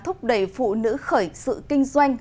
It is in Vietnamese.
thúc đẩy phụ nữ khởi sự kinh doanh